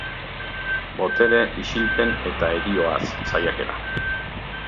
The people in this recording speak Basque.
Botere, isilpen eta herioaz saiakera.